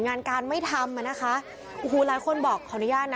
งานการไม่ทำอ่ะค่ะโอ้โหหลานคนบอกเหล็กฟังขออนุญาตนะ